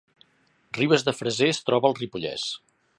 Ribes de Freser es troba al Ripollès